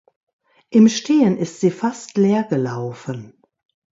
Im Stehen ist sie fast leer gelaufen.